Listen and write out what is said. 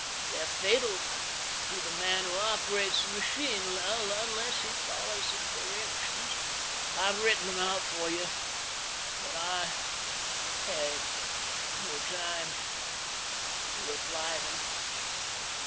They're fatal to the man who operates the machine, unless he follows the directions. I've written them out for you, but I had no time to apply them."